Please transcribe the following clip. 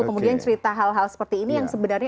kemudian cerita hal hal seperti ini yang sebenarnya